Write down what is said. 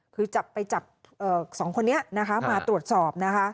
คือจับไปจับสองคนนี้มาตรวจสอบ